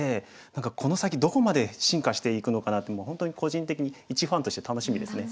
何かこの先どこまで進化していくのかなってもう本当に個人的にいちファンとして楽しみですね。